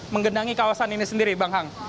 menggenangi kawasan ini sendiri bang hang